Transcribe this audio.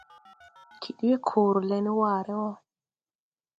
Kiɗ we koore le ne waare wɔ.